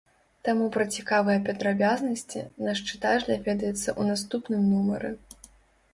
Таму пра цікавыя падрабязнасці наш чытач даведаецца ў наступным нумары.